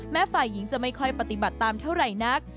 ฝ่ายหญิงจะไม่ค่อยปฏิบัติตามเท่าไหร่นัก